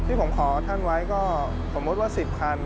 ที่ผมขอท่านไว้ก็ผมมดว่า๑๐๐๐๐บาท